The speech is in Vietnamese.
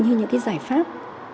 như những cái giải pháp